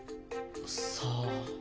さあ？